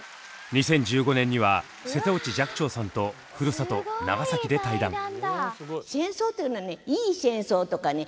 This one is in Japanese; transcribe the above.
２０１５年には瀬戸内寂聴さんとふるさと長崎で対談。